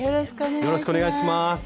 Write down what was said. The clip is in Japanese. よろしくお願いします。